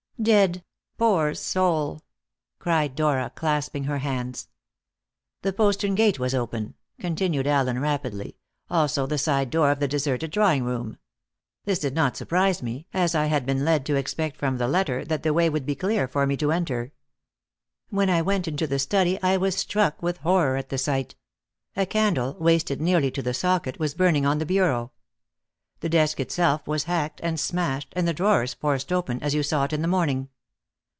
"Dead! Poor soul!" cried Dora, clasping her hands. "The postern gate was open," continued Allen rapidly, "also the side door of that deserted drawing room. This did not surprise me, as I had been led to expect from the letter that the way would be clear for me to enter. When I went into the study I was struck with horror at the sight. A candle, wasted nearly to the socket, was burning on the bureau. The desk itself was hacked and smashed, and the drawers forced open, as you saw it in the morning.